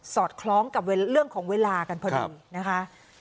อดคล้องกับเรื่องของเวลากันพอดีนะคะ